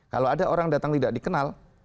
kalau ada orang datang tidak dikenal